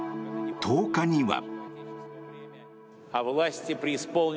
１０日には。